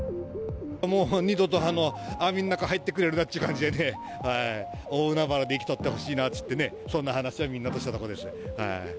もう二度と網の中に入ってくれるなっていう感じでね、大海原で生きとってほしいなちゅってね、そんな話をみんなとしてたところです。